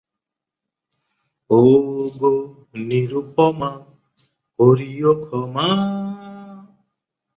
এটি সন্দ্বীপ উপজেলার সবচেয়ে ছোট ইউনিয়ন।